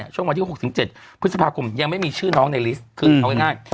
ช่วงวันที่๖๗พฤษภาคมยังไม่มีชื่อน้องในลิสต์คือเอาง่าย